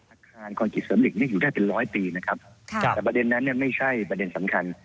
อาคารคอนกรีตเสริมหลีกอยู่ได้เป็นร้อยปีนะครับแต่ประเด็นนั้นไม่ใช่ประเด็นสำคัญ